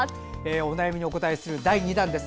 お悩みにお答えする第２弾です。